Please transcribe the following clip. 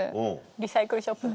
リサイクルショップ。